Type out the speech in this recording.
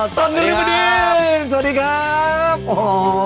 ต้นนรับดินสวัสดีครับโอ้โห